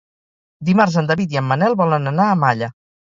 Dimarts en David i en Manel volen anar a Malla.